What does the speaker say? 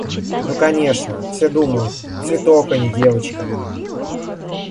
Ну конечно, все думают – цветок, а не девочка.